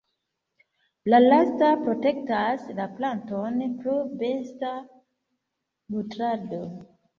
La lasta protektas la planton pro besta nutrado.